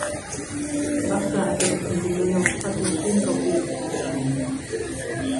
Efallai y byddwch yn dymuno cadw llungopi i chi eich hun